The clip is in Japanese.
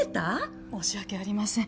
申し訳ありません。